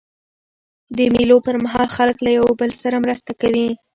د مېلو پر مهال خلک له یوه بل سره مرسته کوي.